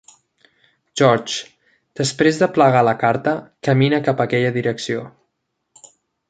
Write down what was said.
George, després de plegar la carta, camina cap aquella direcció.